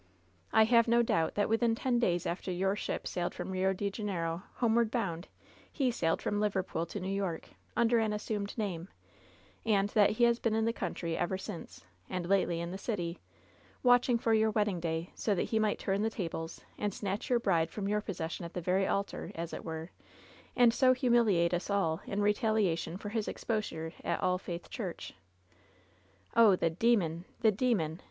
I have no doubt that within ten days after your ship sailed from Eio de Janeiro, homeward bound, he sailed from Liver LOVE'S BITTEREST CUP 108 pool to New York, under an assumed name, and that he has been in the country ever since, and lately in the city, watching for your wedding day, so that he might turn the tables, and snatch your bride from your pos session at the very altar, as it were, and so humiliate us all in retaliation for his exposure at All Faith Church/' "Oh, the demon! the demon!